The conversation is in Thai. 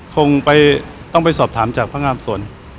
คงต้องไปสอบถามจากพนักงานส่วน